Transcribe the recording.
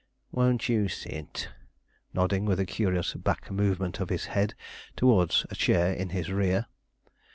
"Won't you sit?" nodding with a curious back movement of his head towards a chair in his rear.